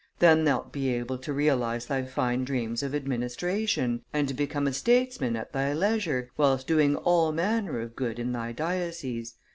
Then thou'lt be able to realize thy fine dreams of administration and to become a statesman at thy leisure, whilst doing all manner of good in thy diocese.